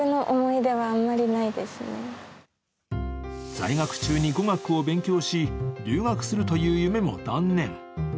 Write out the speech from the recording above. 在学中に語学を勉強し、留学するという夢も断念。